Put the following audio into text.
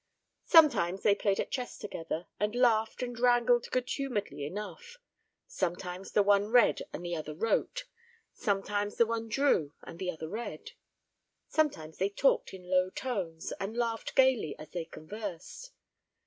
Sometimes they played at chess together, and laughed and wrangled good humouredly enough; sometimes the one read and the other wrote; sometimes the one drew and the other read; sometimes they talked in low tones, and laughed gaily as they conversed.